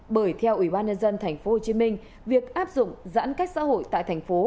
bởi theo ủy ban nhân dân tp hcm việc áp dụng giãn cách xã hội tại thành phố